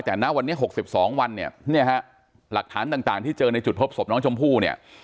แต่ณวันนี้หกสิบสองวันเนี่ยเนี่ยฮะหลักฐานต่างต่างที่เจอในจุดพบสพน้องจมพู่เนี่ย